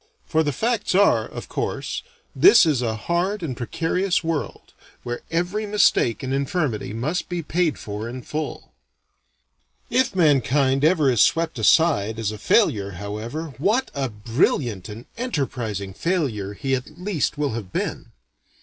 For the facts are of course this is a hard and precarious world, where every mistake and infirmity must be paid for in full. If mankind ever is swept aside as a failure however, what a brilliant and enterprising failure he at least will have been.